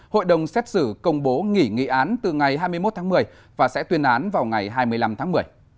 hội đồng xét xử công bố nghỉ nghị án từ ngày hai mươi một tháng một mươi và sẽ tuyên án vào ngày hai mươi năm tháng một mươi